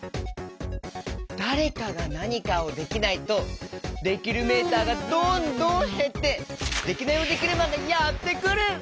だれかがなにかをできないとできるメーターがどんどんへってデキナイヲデキルマンがやってくる！